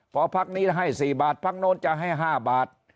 พอพักนี้ให้๔บาทพักโน้นจะให้๕บาท